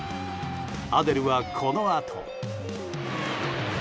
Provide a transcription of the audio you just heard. アデルは、このあと。